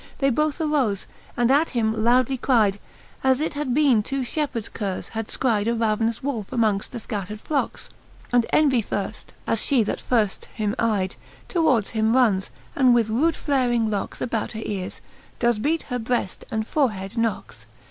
They both arofe, and at him loudly cryde. As it had bene two fbepheards curres had fcrydb A ravenous wolfe amongft the fcattered flockes. And Envie firft, as fhe that firft him eyde, Tovi^ards him runs, and with rude flaring lockes About her eares, does beat her breft, and forhead knockes,' XXXXX.